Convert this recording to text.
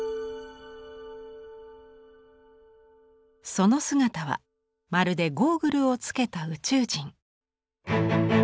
その姿はまるでゴーグルをつけた宇宙人。